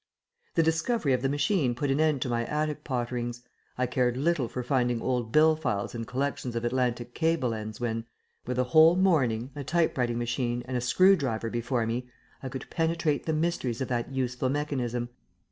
The discovery of the machine put an end to my attic potterings. I cared little for finding old bill files and collections of Atlantic cable ends when, with a whole morning, a type writing machine, and a screw driver before me I could penetrate the mysteries of that useful mechanism.